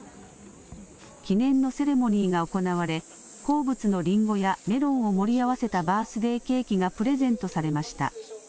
記念のセレモニーが行われ、好物のリンゴやメロンを盛り合わせたバースデーケーキがプレゼントされました。